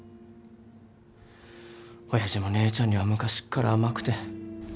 親父も姉ちゃんには昔っから甘くて。